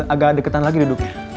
agak deketan lagi duduk